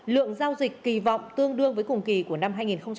lượng giao dịch kỳ vọng tương đương với cùng kỳ của năm hai nghìn hai mươi